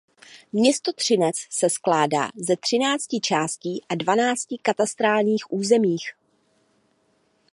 Město Třinec se skládá ze třinácti částí na dvanácti katastrálních územích.